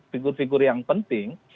figur figur yang penting